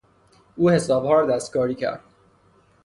او حسابها را دستکاری کرد.